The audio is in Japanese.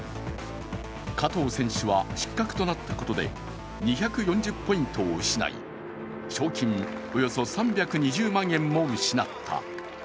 加藤選手は失格となったことで２４０ポイントを失い、賞金およそ３２０万円も失った。